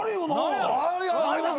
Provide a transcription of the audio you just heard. ありますよ